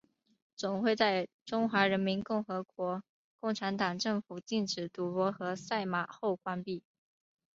总会在中华人民共和国共产党政府禁止赌博和赛马后关闭。